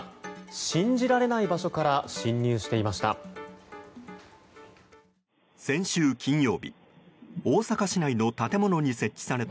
信じられない場所から進入していました。